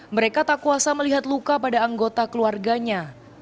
mereka tak kuasa melihat luka pada anggota keluarganya